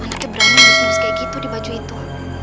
anaknya berani harus harus kayak gitu di baju itu